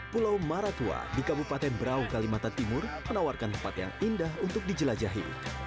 pulau maratua di kabupaten berau kalimantan timur menawarkan tempat yang indah untuk dijelajahi